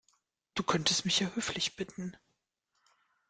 Du könntest mich ja höflich bitten.